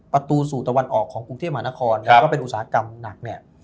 ประตูสู่ตะวันออกของกรุงเทพมหานครแล้วก็เป็นอุตสาหกรรมหนักเนี่ย